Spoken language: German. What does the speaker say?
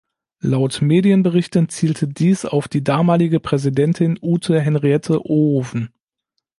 Laut Medienberichten zielte dies auf die damalige Präsidentin Ute-Henriette Ohoven.